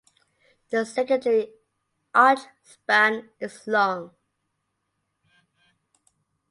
The secondary arch span is long.